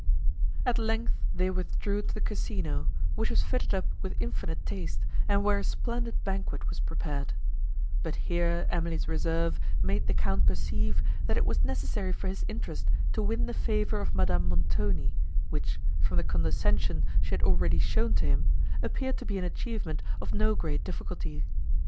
At length they withdrew to the Casino, which was fitted up with infinite taste, and where a splendid banquet was prepared; but here Emily's reserve made the Count perceive, that it was necessary for his interest to win the favour of Madame Montoni, which, from the condescension she had already shown to him, appeared to be an achievement of no great difficulty.